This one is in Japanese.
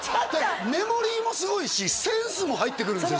メモリーもすごいしセンスも入ってくるんですよ